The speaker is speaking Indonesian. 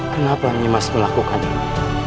kenapa nimas melakukan ini